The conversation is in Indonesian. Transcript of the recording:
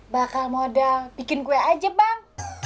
bakal modal bikin kue aja bang